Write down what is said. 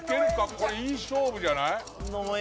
これいい勝負じゃない？